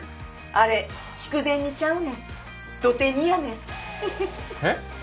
あれ筑前煮ちゃうねんどて煮やねんえっ？